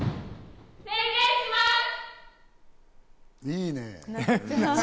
いいね！